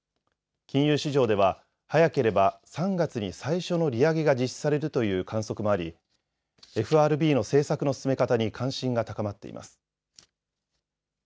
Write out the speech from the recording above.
金融市場では早ければ３月に最初の利上げが実施されるという観測もありＦＲＢの政策の進め方に関心が高まっています。